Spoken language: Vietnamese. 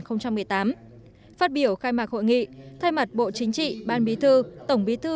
phát biểu khai mạc hội nghị thay mặt bộ chính trị ban bí thư tổng bí thư